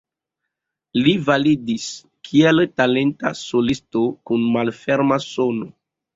Li validis kiel talenta solisto kun malferma sono.